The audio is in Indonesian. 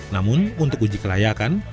namun untuk uji kelayakan